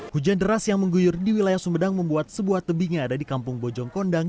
hujan deras yang mengguyur di wilayah sumedang membuat sebuah tebingnya ada di kampung bojong kondang